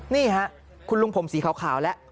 นี่ค่ะคุณลุงผมสีขาวแล้ว